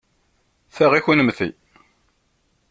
Ta i kennemti.